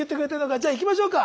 じゃあいきましょうか。